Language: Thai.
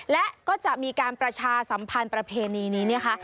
และก็จะมีการประชาสัมพันธ์ประเพณีนี้นะคะ